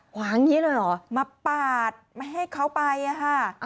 หวานงี้แล้วหรอมาปาดมาให้เขาไปนะฮะ